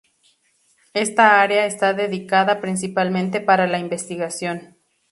Esta área está dedicada principalmente para la investigación.